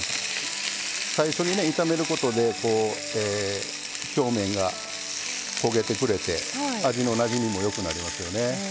最初にね炒めることで表面が焦げてくれて味のなじみもよくなりますよね。